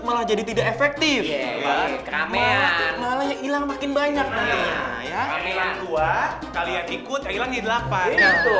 malah jadi tidak efektif ya kamu yang ilang makin banyak ya kalian ikut hilang di lapar